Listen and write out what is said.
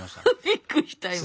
びっくりした今。